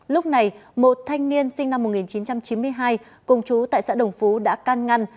lúc này một thanh niên sinh năm một nghìn chín trăm chín mươi hai cùng chú tại xã đồng phú đã can ngăn